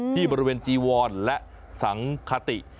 ที่บริเวณจีวรและสังคติ